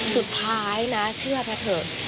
สุดท้ายนะเชื่อแพทย์เถอะ